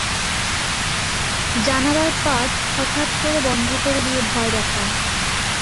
জানালার পাট হঠাৎ করে বন্ধ করে দিয়ে ভয় দেখায়।